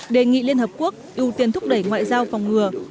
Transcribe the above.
đề nghị liên hợp quốc ưu tiên thúc đẩy ngoại giao phòng ngừa